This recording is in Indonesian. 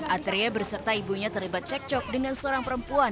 atria berserta ibunya terlibat cekcok dengan seorang perempuan